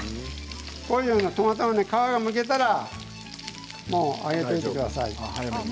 トマトの皮がむけたらもうあげてください。